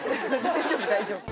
大丈夫大丈夫